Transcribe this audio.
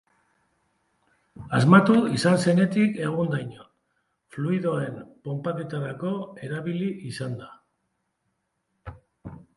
Asmatu izan zenetik egundaino, fluidoen ponpaketarako erabili izan da.